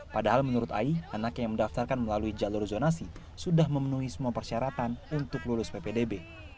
padahal menurut ai anak yang mendaftarkan melalui jalur zonasi sudah memenuhi semua persyaratan untuk lulus ppdb